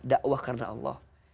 dakwah karena allah